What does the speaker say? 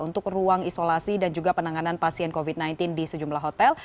untuk ruang isolasi dan juga penanganan pasien covid sembilan belas di sejumlah hotel